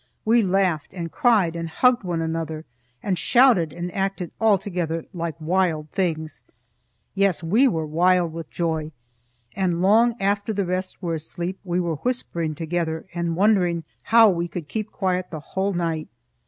We laughed, and cried, and hugged one another, and shouted, and acted altogether like wild things. Yes, we were wild with joy, and long after the rest were asleep, we were whispering together and wondering how we could keep quiet the whole night.